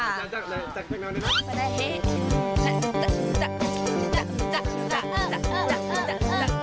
จากแผ่งน้ำได้มั้ย